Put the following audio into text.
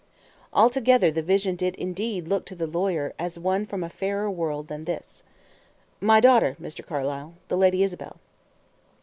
Altogether the vision did indeed look to the lawyer as one from a fairer world than this. "My daughter, Mr. Carlyle, the Lady Isabel."